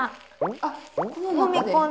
あっこの中で？